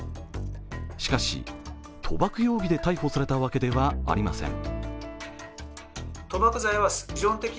しかし賭博容疑で逮捕されたわけではありません。